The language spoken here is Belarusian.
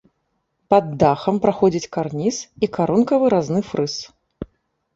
Пад дахам праходзіць карніз і карункавы разны фрыз.